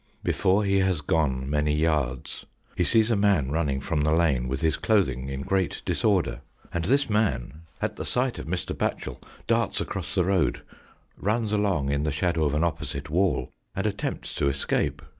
Before he has gone many yards he sees a man running from the lane with his clothing in great disorder, and this man, at the sight of 117 GHOST TALES. Mr. Batchel, darts across the road, runs along in the shadow of an opposite wall and attempts to escape.